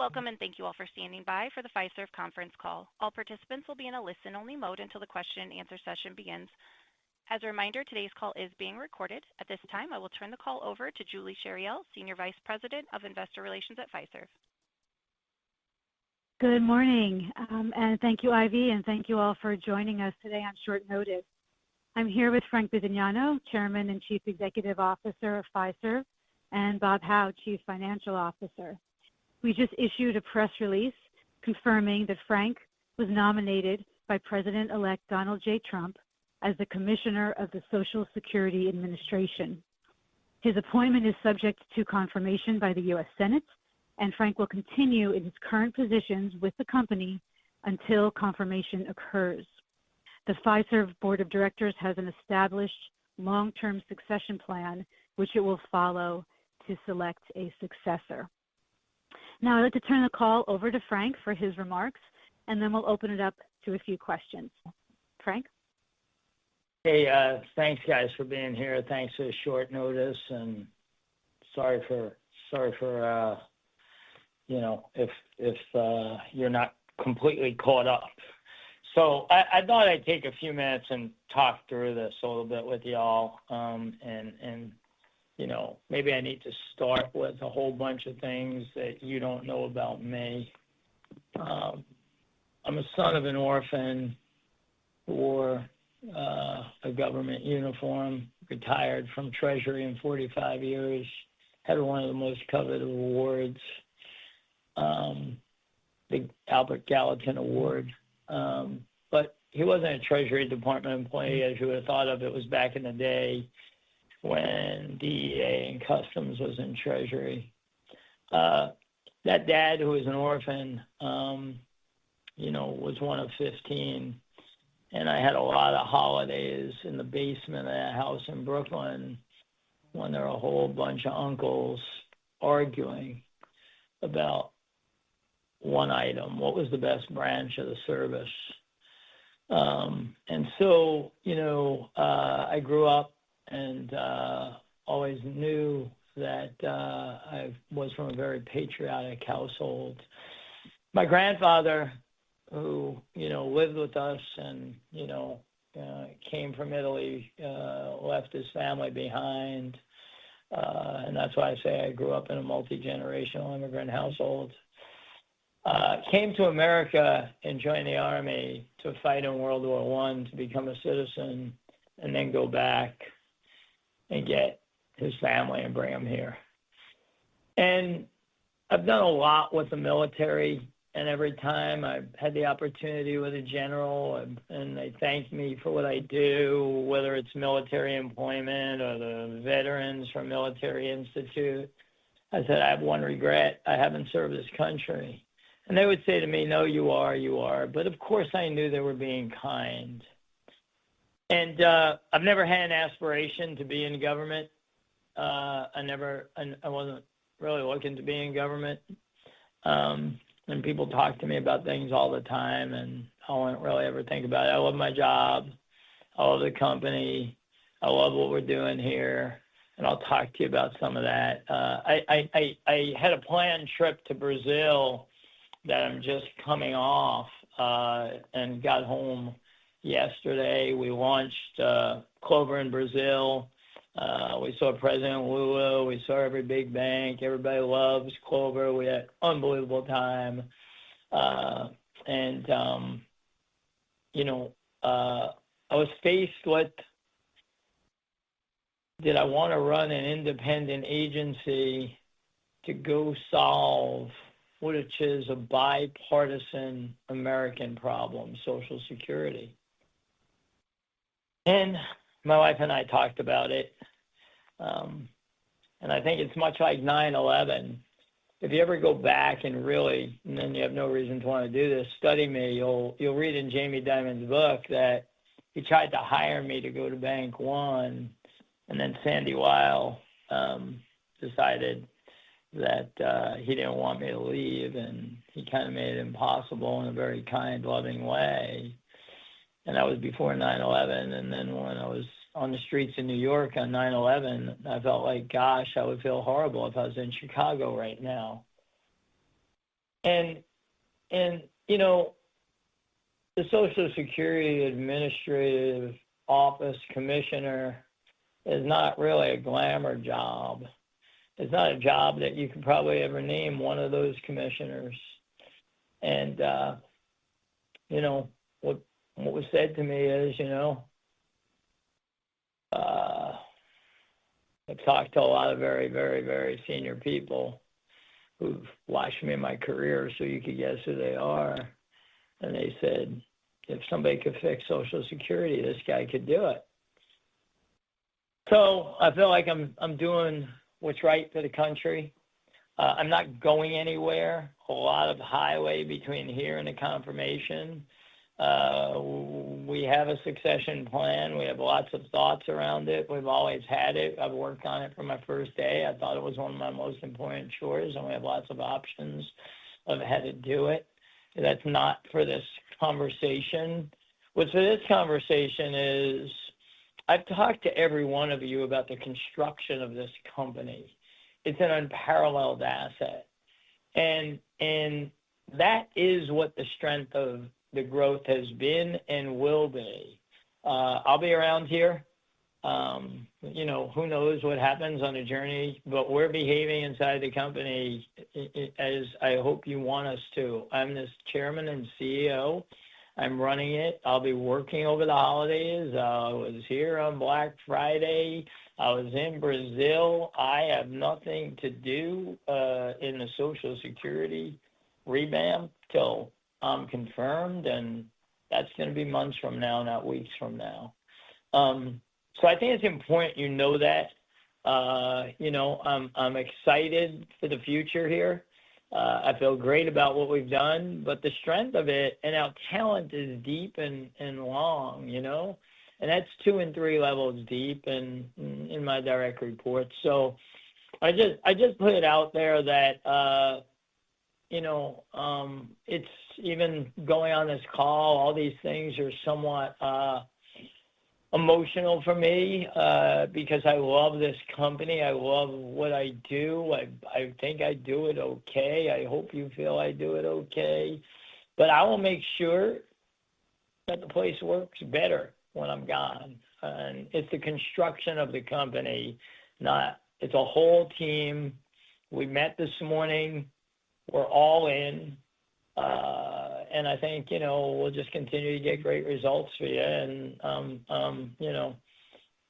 Welcome, and thank you all for standing by for the Fiserv Conference Call. All participants will be in a listen-only mode until the question and answer session begins. As a reminder, today's call is being recorded. At this time, I will turn the call over to Julie Chariell, Senior Vice President of Investor Relations at Fiserv. Good morning, and thank you, Ivy, and thank you all for joining us today on short notice. I'm here with Frank Bisignano, Chairman and Chief Executive Officer of Fiserv, and Bob Hau, Chief Financial Officer. We just issued a press release confirming that Frank was nominated by President-elect Donald J. Trump as the Commissioner of the Social Security Administration. His appointment is subject to confirmation by the U.S. Senate, and Frank will continue in his current positions with the company until confirmation occurs. The Fiserv Board of Directors has an established long-term succession plan, which it will follow to select a successor. Now, I'd like to turn the call over to Frank for his remarks, and then we'll open it up to a few questions. Frank? Hey, thanks, guys, for being here. Thanks for the short notice, and sorry for, you know, if you're not completely caught up. So I thought I'd take a few minutes and talk through this a little bit with y'all, and maybe I need to start with a whole bunch of things that you don't know about me. I'm a son of an orphan, wore a government uniform, retired from Treasury in 45 years, had one of the most coveted awards, the Albert Gallatin Award. But he wasn't a Treasury Department employee, as you would have thought of. It was back in the day when DEA and Customs was in Treasury. That dad, who was an orphan, you know, was one of 15, and I had a lot of holidays in the basement of that house in Brooklyn when there were a whole bunch of uncles arguing about one item, what was the best branch of the service? And so, you know, I grew up and always knew that I was from a very patriotic household. My grandfather, who lived with us and, you know, came from Italy, left his family behind, and that's why I say I grew up in a multi-generational immigrant household, came to America and joined the Army to fight in World War I to become a citizen and then go back and get his family and bring them here. I've done a lot with the military, and every time I've had the opportunity with a general, and they thank me for what I do, whether it's military employment or the veterans from Military Institute. I said, I have one regret. I haven't served this country. And they would say to me, no, you are, you are. But of course, I knew they were being kind. I've never had an aspiration to be in government. I wasn't really looking to be in government. People talk to me about things all the time, and I wouldn't really ever think about it. I love my job. I love the company. I love what we're doing here, and I'll talk to you about some of that. I had a planned trip to Brazil that I'm just coming off and got home yesterday. We launched Clover in Brazil. We saw President Lula. We saw every big bank. Everybody loves Clover. We had an unbelievable time. And, you know, I was faced with, did I want to run an independent agency to go solve what is a bipartisan American problem, Social Security? And my wife and I talked about it, and I think it's much like 9/11. If you ever go back and really, and then you have no reason to want to do this, study me. You'll read in Jamie Dimon's book that he tried to hire me to go to Bank One, and then Sandy Weill decided that he didn't want me to leave, and he kind of made it impossible in a very kind, loving way. And that was before 9/11. And then when I was on the streets in New York on 9/11, I felt like, gosh, I would feel horrible if I was in Chicago right now. You know, the Social Security Administration Commissioner is not really a glamour job. It's not a job that you could probably ever name one of those commissioners. You know, what was said to me is, you know, I've talked to a lot of very, very, very senior people who've watched me in my career, so you could guess who they are. They said, "If somebody could fix Social Security, this guy could do it." So I feel like I'm doing what's right for the country. I'm not going anywhere. A lot of highway between here and the confirmation. We have a succession plan. We have lots of thoughts around it. We've always had it. I've worked on it from my first day. I thought it was one of my most important chores, and we have lots of options of how to do it. That's not for this conversation. What's for this conversation is I've talked to every one of you about the construction of this company. It's an unparalleled asset, and that is what the strength of the growth has been and will be. I'll be around here. You know, who knows what happens on a journey, but we're behaving inside the company as I hope you want us to. I'm the Chairman and CEO. I'm running it. I'll be working over the holidays. I was here on Black Friday. I was in Brazil. I have nothing to do in the Social Security revamp till I'm confirmed, and that's going to be months from now, not weeks from now. So I think it's important you know that. You know, I'm excited for the future here. I feel great about what we've done, but the strength of it and our talent is deep and long, you know, and that's two and three levels deep in my direct report. So I just put it out there that, you know, it's even going on this call, all these things are somewhat emotional for me because I love this company. I love what I do. I think I do it okay. I hope you feel I do it okay. But I will make sure that the place works better when I'm gone. And it's the construction of the company, not, it's a whole team. We met this morning. We're all in. And I think, you know, we'll just continue to get great results for you. I'm, you know,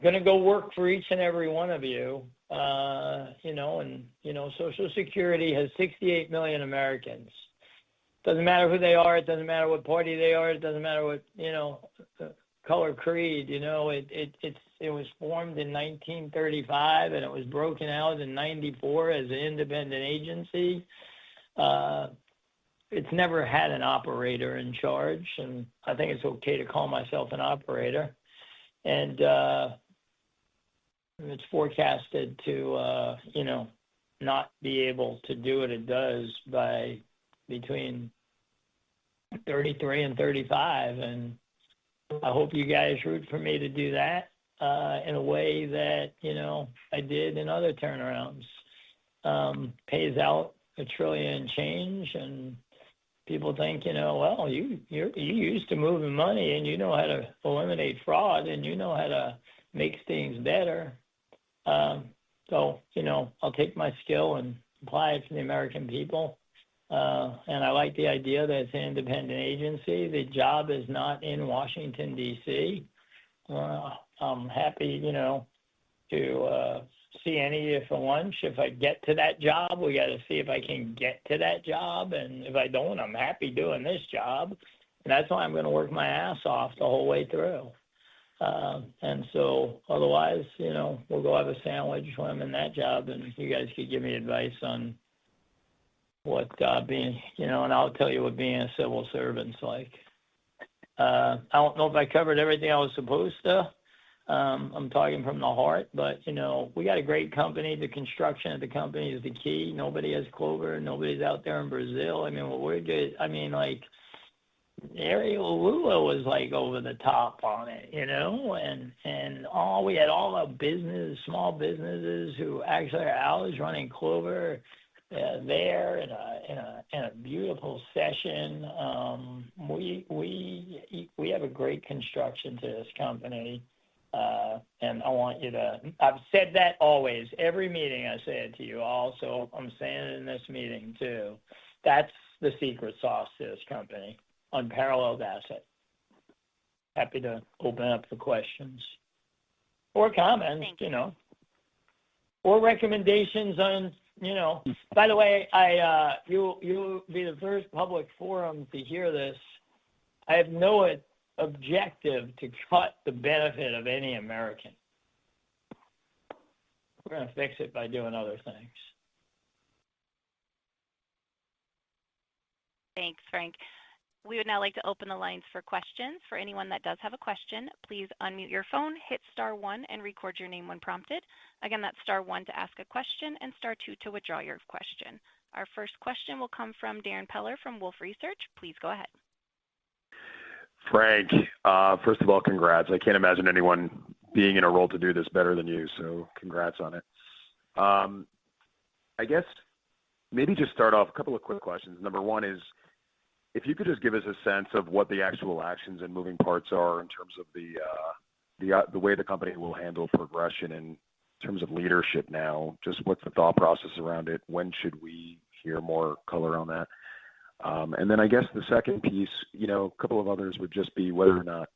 going to go work for each and every one of you, you know, and, you know, Social Security has 68 million Americans. Doesn't matter who they are. It doesn't matter what party they are. It doesn't matter what, you know, color, creed. You know, it was formed in 1935, and it was broken out in 1994 as an independent agency. It's never had an operator in charge, and I think it's okay to call myself an operator. And it's forecasted to, you know, not be able to do what it does by between 2033 and 2035. And I hope you guys root for me to do that in a way that, you know, I did in other turnarounds. Pays out a trillion and change, and people think, you know, well, you used to move the money, and you know how to eliminate fraud, and you know how to make things better. So, you know, I'll take my skill and apply it to the American people. And I like the idea that it's an independent agency. The job is not in Washington, D.C. I'm happy, you know, to see any of you for lunch. If I get to that job, we got to see if I can get to that job. And if I don't, I'm happy doing this job. And that's why I'm going to work my ass off the whole way through. And so otherwise, you know, we'll go have a sandwich when I'm in that job, and you guys could give me advice on what being, you know, and I'll tell you what being a civil servant's like. I don't know if I covered everything I was supposed to. I'm talking from the heart, but, you know, we got a great company. The construction of the company is the key. Nobody has Clover. Nobody's out there in Brazil. I mean, what we did, I mean, like, President Lula was like over the top on it, you know? And we had all our business, small businesses who actually are ours running Clover there in a beautiful session. We have a great construction to this company, and I want you to, I've said that always. Every meeting I say it to you. Also, I'm saying it in this meeting too. That's the secret sauce to this company, unparalleled asset. Happy to open up for questions or comments, you know, or recommendations on, you know, by the way, you'll be the first public forum to hear this. I have no objective to cut the benefit of any American. We're going to fix it by doing other things. Thanks, Frank. We would now like to open the lines for questions. For anyone that does have a question, please unmute your phone, hit star one, and record your name when prompted. Again, that's star one to ask a question and star two to withdraw your question. Our first question will come from Darrin Peller from Wolfe Research. Please go ahead. Frank, first of all, congrats. I can't imagine anyone being in a role to do this better than you, so congrats on it. I guess maybe just start off a couple of quick questions. Number one is, if you could just give us a sense of what the actual actions and moving parts are in terms of the way the company will handle progression and in terms of leadership now, just what's the thought process around it? When should we hear more color on that? And then I guess the second piece, you know, a couple of others would just be whether or not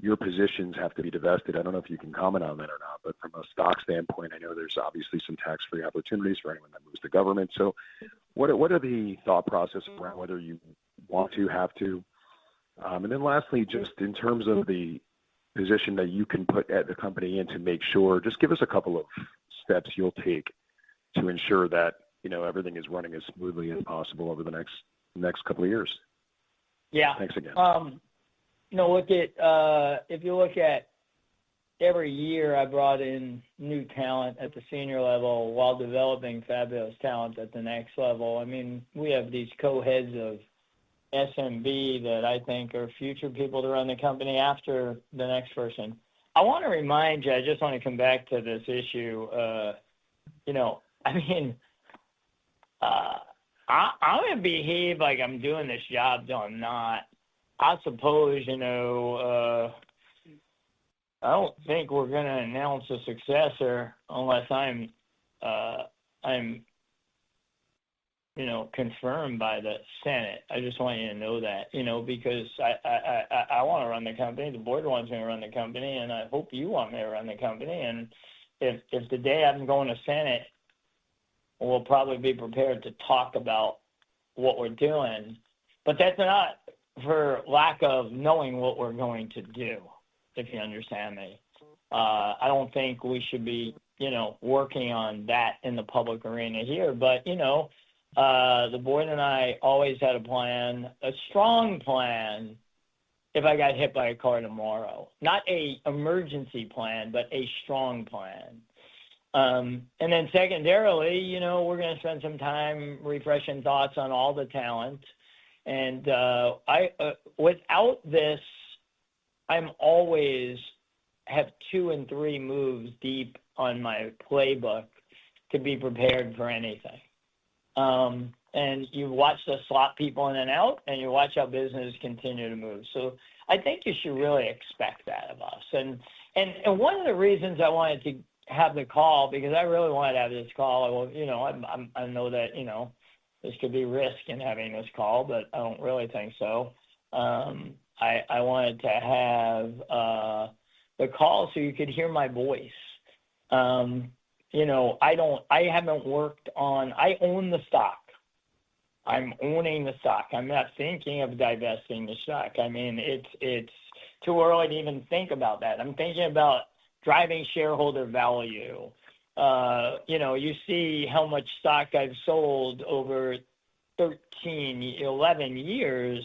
your positions have to be divested. I don't know if you can comment on that or not, but from a stock standpoint, I know there's obviously some tax-free opportunities for anyone that moves to government. So what are the thought processes around whether you want to have to? And then lastly, just in terms of the position that you can put at the company and to make sure, just give us a couple of steps you'll take to ensure that, you know, everything is running as smoothly as possible over the next couple of years. Yeah. Thanks again. No, look, if you look at every year, I brought in new talent at the senior level while developing fabulous talent at the next level. I mean, we have these co-heads of SMB that I think are future people to run the company after the next person. I want to remind you, I just want to come back to this issue. You know, I mean, I'm going to behave like I'm doing this job till I'm not. I suppose, you know, I don't think we're going to announce a successor unless I'm, you know, confirmed by the Senate. I just want you to know that, you know, because I want to run the company. The board wants me to run the company, and I hope you want me to run the company. And if the day I'm going to Senate, we'll probably be prepared to talk about what we're doing. But that's not for lack of knowing what we're going to do, if you understand me. I don't think we should be, you know, working on that in the public arena here. But, you know, the board and I always had a plan, a strong plan if I got hit by a car tomorrow. Not an emergency plan, but a strong plan. And then secondarily, you know, we're going to spend some time refreshing thoughts on all the talent. And without this, I'm always have two and three moves deep on my playbook to be prepared for anything. And you watch the slot people in and out, and you watch how business continue to move. So I think you should really expect that of us. And one of the reasons I wanted to have the call, because I really wanted to have this call, you know. I know that, you know, this could be risk in having this call, but I don't really think so. I wanted to have the call so you could hear my voice. You know, I haven't worked on, I own the stock. I'm owning the stock. I'm not thinking of divesting the stock. I mean, it's too early to even think about that. I'm thinking about driving shareholder value. You know, you see how much stock I've sold over 13, 11 years.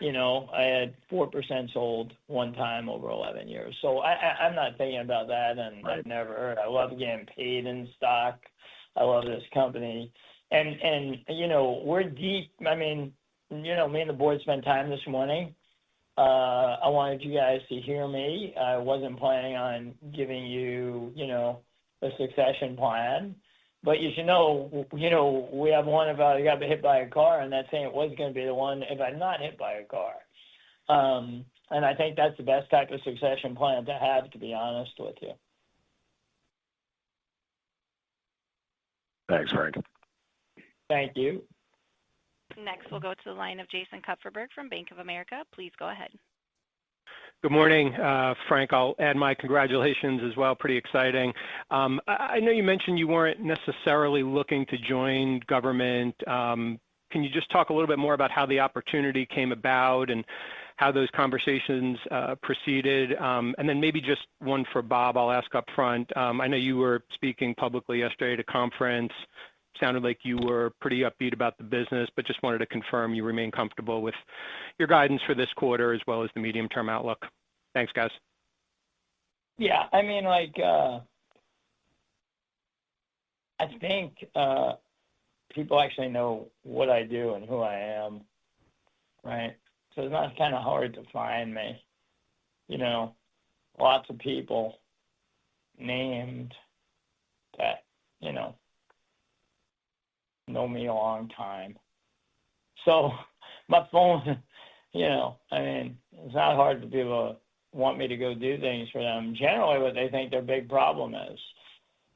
You know, I had 4% sold one time over 11 years. So I'm not thinking about that. And I've never heard. I love getting paid in stock. I love this company. And, you know, we're deep. I mean, you know, me and the board spent time this morning. I wanted you guys to hear me. I wasn't planning on giving you, you know, a succession plan. But you should know, you know, we have one about I got hit by a car, and that's saying it was going to be the one if I'm not hit by a car. And I think that's the best type of succession plan to have, to be honest with you. Thanks, Frank. Thank you. Next, we'll go to the line of Jason Kupferberg from Bank of America. Please go ahead. Good morning, Frank. I'll add my congratulations as well. Pretty exciting. I know you mentioned you weren't necessarily looking to join government. Can you just talk a little bit more about how the opportunity came about and how those conversations proceeded? And then maybe just one for Bob, I'll ask upfront. I know you were speaking publicly yesterday at a conference. Sounded like you were pretty upbeat about the business, but just wanted to confirm you remain comfortable with your guidance for this quarter as well as the medium-term outlook. Thanks, guys. Yeah. I mean, like, I think people actually know what I do and who I am, right? So it's not kind of hard to find me. You know, lots of people named that, you know, know me a long time. So my phone, you know, I mean, it's not hard for people to want me to go do things for them. Generally, what they think their big problem is.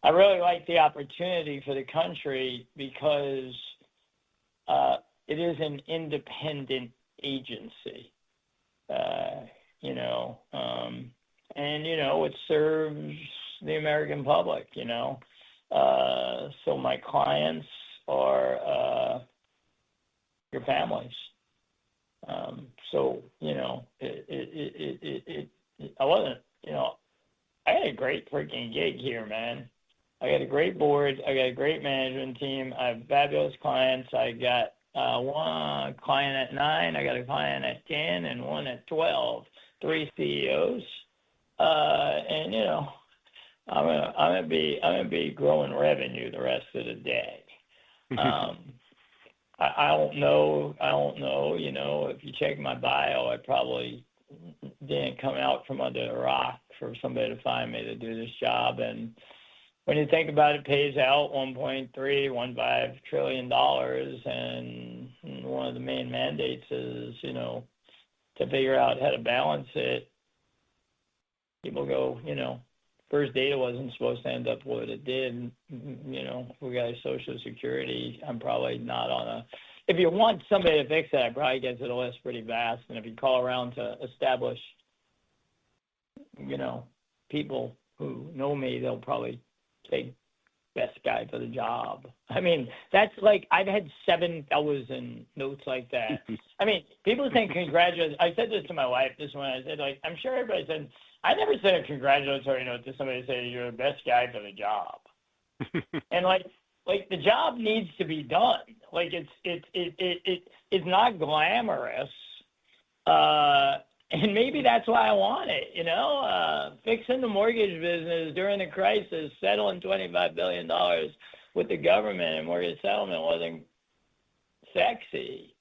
I really like the opportunity for the country because it is an independent agency, you know, and, you know, it serves the American public, you know? So my clients are your families. So, you know, I wasn't, you know, I had a great freaking gig here, man. I got a great board. I got a great management team. I have fabulous clients. I got one client at nine. I got a client at 10 and one at 12. Three CEOs. You know, I'm going to be growing revenue the rest of the day. I don't know, you know, if you check my bio, I probably didn't come out from under a rock for somebody to find me to do this job. And when you think about it, it pays out $1.3-$1.5 trillion. And one of the main mandates is, you know, to figure out how to balance it. People go, you know, First Data wasn't supposed to end up what it did. You know, we got a Social Security. I'm probably not gonna, if you want somebody to fix that, I probably guess it'll list pretty fast. And if you call around to the establishment, you know, people who know me, they'll probably say best guy for the job. I mean, that's like, I've had seven fellas and nods like that. I mean, people think congratulations. I said this to my wife this morning. I said like, I'm sure everybody said, I never said a congratulatory note to somebody who said, you're the best guy for the job. And like, the job needs to be done. Like, it's not glamorous. And maybe that's why I want it, you know? Fixing the mortgage business during the crisis, settling $25 billion with the government and mortgage settlement wasn't sexy.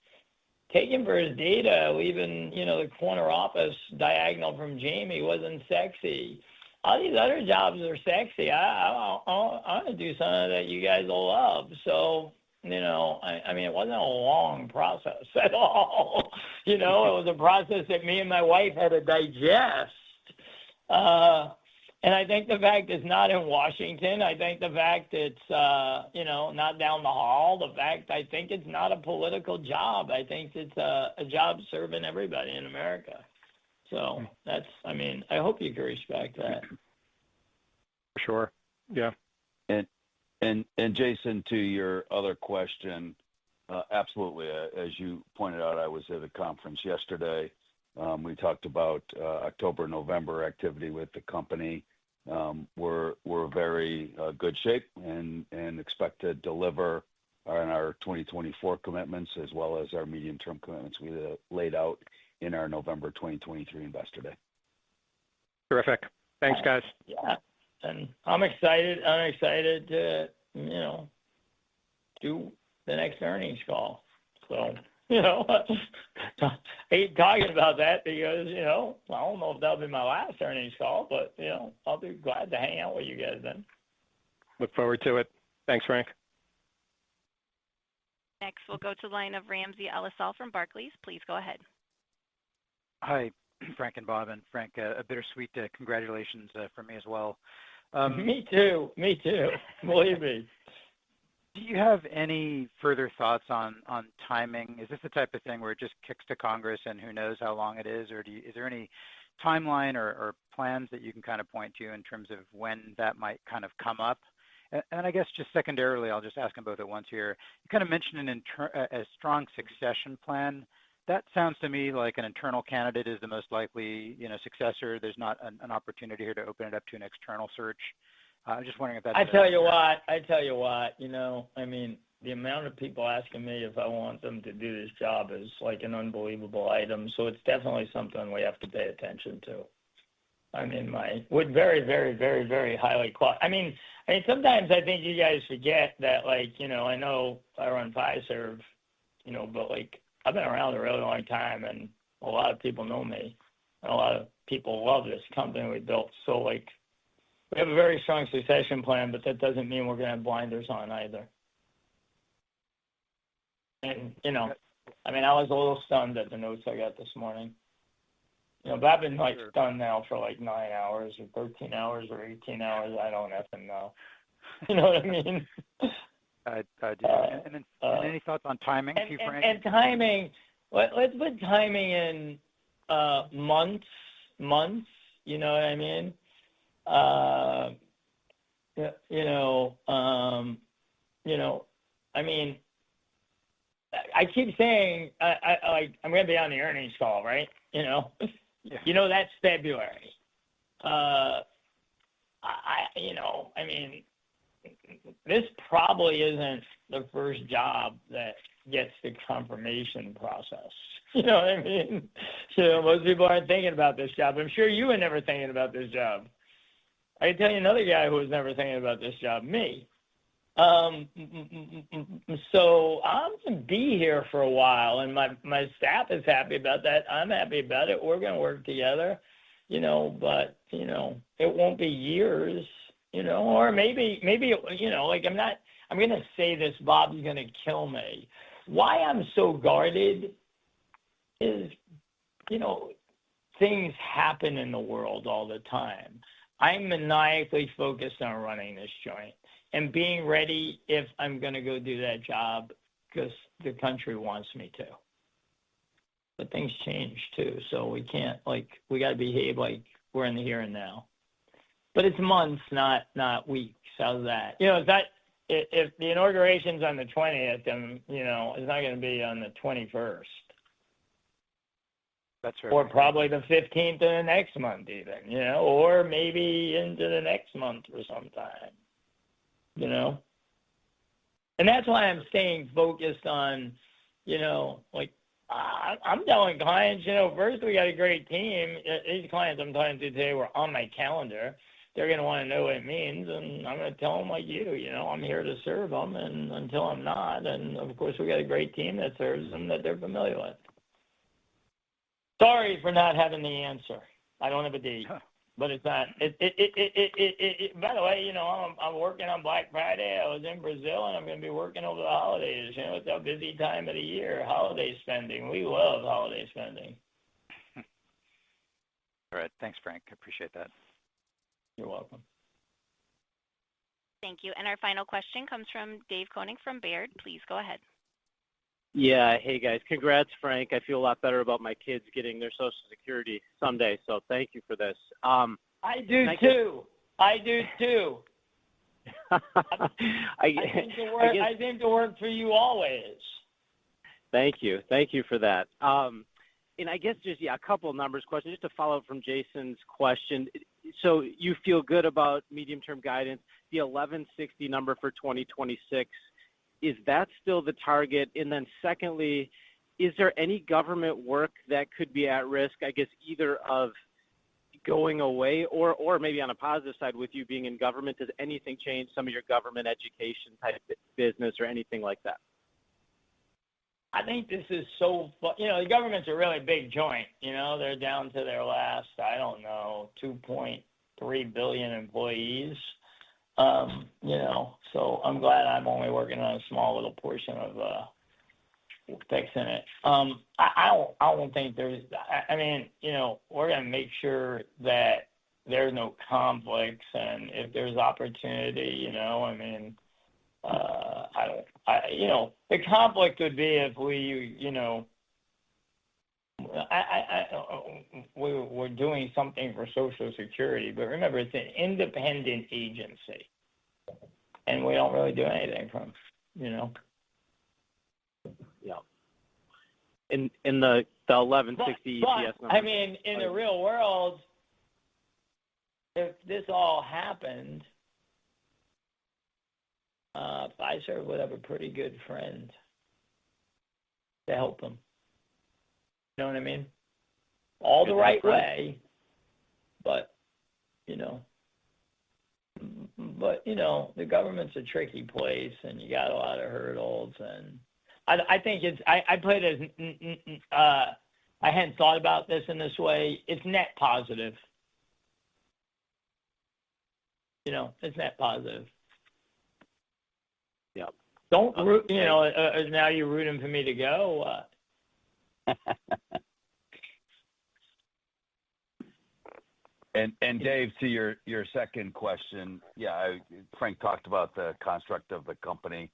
Taking First Data, even, you know, the corner office diagonal from Jamie wasn't sexy. All these other jobs are sexy. I want to do something that you guys will love. So, you know, I mean, it wasn't a long process at all. You know, it was a process that me and my wife had to digest. And I think the fact it's not in Washington. I think the fact it's, you know, not down the hall. The fact I think it's not a political job. I think it's a job serving everybody in America. So that's, I mean, I hope you can respect that. For sure. Yeah. And Jason, to your other question, absolutely. As you pointed out, I was at a conference yesterday. We talked about October, November activity with the company. We're in very good shape and expect to deliver on our 2024 commitments as well as our medium-term commitments we laid out in our November 2023 investor day. Terrific. Thanks, guys. Yeah, and I'm excited. I'm excited to, you know, do the next earnings call, so you know, I hate talking about that because, you know, I don't know if that'll be my last earnings call, but you know, I'll be glad to hang out with you guys then. Look forward to it. Thanks, Frank. Next, we'll go to line of Ramsey El-Assal from Barclays. Please go ahead. Hi, Frank and Bob. And Frank, a bittersweet congratulations from me as well. Me too. Me too. Believe me. Do you have any further thoughts on timing? Is this the type of thing where it just kicks to Congress and who knows how long it is? Or is there any timeline or plans that you can kind of point to in terms of when that might kind of come up? And I guess just secondarily, I'll just ask them both at once here. You kind of mentioned a strong succession plan. That sounds to me like an internal candidate is the most likely, you know, successor. There's not an opportunity here to open it up to an external search. I'm just wondering if that's? I tell you what. I tell you what. You know, I mean, the amount of people asking me if I want them to do this job is like an unbelievable item. So it's definitely something we have to pay attention to. I mean, my very, very, very, very highly quality. I mean, I mean, sometimes I think you guys forget that, like, you know, I know I run Fiserv, you know, but like, I've been around a really long time and a lot of people know me. And a lot of people love this company we built. So like, we have a very strong succession plan, but that doesn't mean we're going to have blinders on either. And, you know, I mean, I was a little stunned at the notes I got this morning. You know, Bob has been like stunned now for like nine hours or 13 hours or 18 hours. I don't have to know. You know what I mean? I do. And then any thoughts on timing too, Frank? Timing. Let's put timing in months. You know what I mean? You know, you know, I mean, I keep saying I'm going to be on the earnings call, right? You know, you know, that's February. You know, I mean, this probably isn't the first job that gets the confirmation process. You know what I mean? So most people aren't thinking about this job. I'm sure you were never thinking about this job. I can tell you another guy who was never thinking about this job, me. So I'm going to be here for a while and my staff is happy about that. I'm happy about it. We're going to work together. You know, but, you know, it won't be years, you know, or maybe, you know, like, I'm going to say this, Bob's going to kill me. Why I'm so guarded is, you know, things happen in the world all the time. I'm maniacally focused on running this joint and being ready if I'm going to go do that job because the country wants me to. But things change too. So we can't, like, we got to behave like we're in the here and now. But it's months, not weeks. How's that? You know, if the inauguration's on the 20th, then, you know, it's not going to be on the 21st. That's right. Or probably the 15th of the next month even, you know, or maybe into the next month or sometime, you know, and that's why I'm staying focused on, you know, like, I'm telling clients, you know. First we got a great team. These clients I'm talking to today were on my calendar. They're going to want to know what it means, and I'm going to tell them like you, you know. I'm here to serve them and until I'm not, and of course, we got a great team that serves them that they're familiar with. Sorry for not having the answer. I don't have a date, but it's not, by the way, you know, I'm working on Black Friday. I was in Brazil and I'm going to be working over the holidays, you know. It's our busy time of the year, holiday spending. We love holiday spending. All right. Thanks, Frank. Appreciate that. You're welcome. Thank you. And our final question comes from Dave Koning from Baird. Please go ahead. Yeah. Hey, guys. Congrats, Frank. I feel a lot better about my kids getting their Social Security someday. So thank you for this. I do too. I do too. I came to work for you always. Thank you. Thank you for that. And I guess just, yeah, a couple of numbers questions. Just to follow up from Jason's question. So you feel good about medium-term guidance, the $11.60 number for 2026. Is that still the target? And then secondly, is there any government work that could be at risk, I guess, either of going away or maybe on a positive side with you being in government? Does anything change, some of your government education type business or anything like that? I think this is so, you know, the government's a really big joint. You know, they're down to their last, I don't know, 2.3 billion employees. You know, so I'm glad I'm only working on a small little portion of fixing it. I don't think there's, I mean, you know, we're going to make sure that there's no conflicts and if there's opportunity, you know, I mean, I don't, you know, the conflict would be if we, you know, we're doing something for Social Security, but remember it's an independent agency, and we don't really do anything from, you know. Yeah. In the $11.60 EPS number. I mean, in the real world, if this all happened, Fiserv would have a pretty good friend to help them. You know what I mean? All the right way, but you know, the government's a tricky place and you got a lot of hurdles and I think it's. I played as. I hadn't thought about this in this way. It's net positive. You know, it's net positive. Yeah. Don't, you know, now you're rooting for me to go. And Dave, to your second question, yeah, Frank talked about the construct of the company.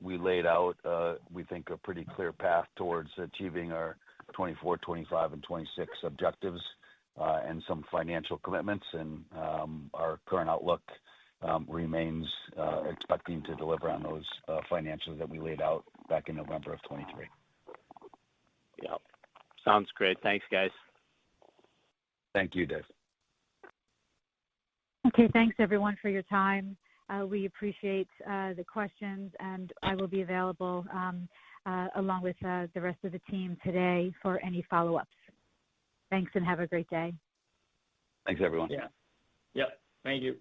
We laid out, we think, a pretty clear path towards achieving our 2024, 2025, and 2026 objectives and some financial commitments. And our current outlook remains expecting to deliver on those financials that we laid out back in November of 2023. Yeah. Sounds great. Thanks, guys. Thank you, Dave. Okay. Thanks, everyone, for your time. We appreciate the questions and I will be available along with the rest of the team today for any follow-ups. Thanks and have a great day. Thanks, everyone. Yeah. Thank you.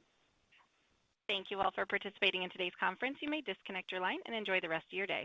Thank you all for participating in today's conference. You may disconnect your line and enjoy the rest of your day.